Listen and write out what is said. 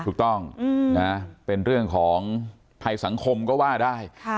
ถูกต้องนะเป็นเรื่องของภัยสังคมก็ว่าได้